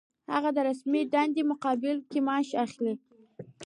هغه د رسمي دندې په مقابل کې معاش اخلي.